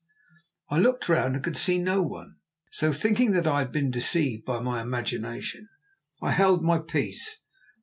I looked round and could see no one, so, thinking that I had been deceived by my imagination, I held my peace.